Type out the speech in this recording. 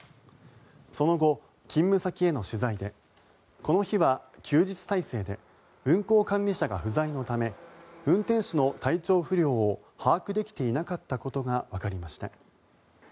その後、勤務先への取材でこの日は休日体制で運行管理者が不在のため運転手の体調不良を把握できていなかったことがわかりました。